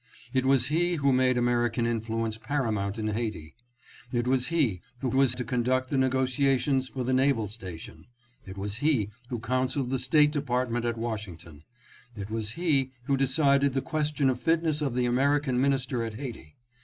It was he who made American influence paramount in Haiti. It was he who was to conduct the negotiations for the naval station. It was he who counseled the State Department at Washington. It was he wko decided the question of the fitness of the American Minister at Haiti.